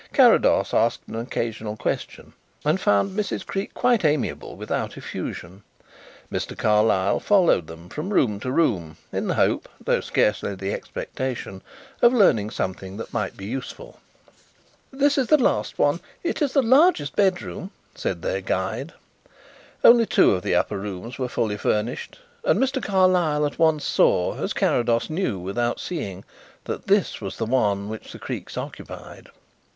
Carrados asked an occasional question and found Mrs. Creake quite amiable without effusion. Mr. Carlyle followed them from room to room in the hope, though scarcely the expectation, of learning something that might be useful. "This is the last one. It is the largest bedroom," said their guide. Only two of the upper rooms were fully furnished and Mr. Carlyle at once saw, as Carrados knew without seeing, that this was the one which the Creakes occupied.